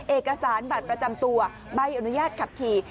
เอกสารบัตรประจำตัวใบอนุญาตขับขี่